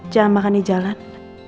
jangan makan di jalan